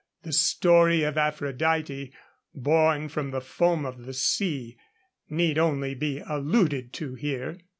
The story of Aphrodite, born from the foam of the sea, need only be alluded to here.